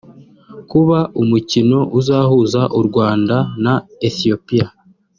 Kuba umukino uzahuza u Rwanda na Ethiopia